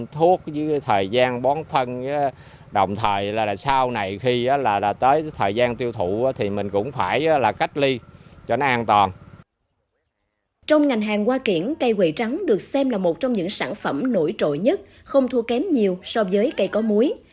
trong ngành hàng hoa kiển cây quầy trắng được xem là một trong những sản phẩm nổi trội nhất không thua kém nhiều so với cây có muối